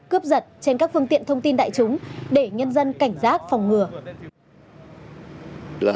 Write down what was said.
cướp giật trên các phương tiện thông tin đại chúng để nhân dân cảnh giác phòng ngừa